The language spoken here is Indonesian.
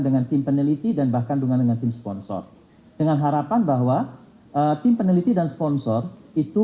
dengan tim peneliti dan bahkan dengan tim sponsor dengan harapan bahwa tim peneliti dan sponsor itu